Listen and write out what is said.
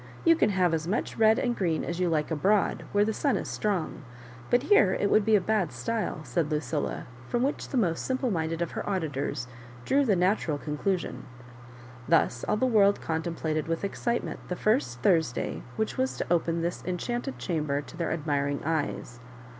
You can have as much red and green as you like abroad, where the sun is strong, but here it would be a bad style," said Lucilla ; from which the most simple minded of her auditors drew the natural conclu sion. Thus all the world contemplated with excitement the first Thursday which was to open this enchanted chamber to their admiring eyes.